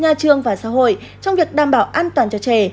nhà trường và xã hội trong việc đảm bảo an toàn cho trẻ